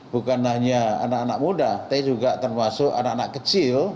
bukan hanya anak anak muda tapi juga termasuk anak anak kecil